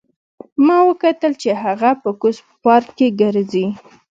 ما وکتل چې هغه په کوز پارک کې ګرځي